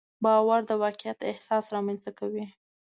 باور د واقعیت احساس رامنځته کوي.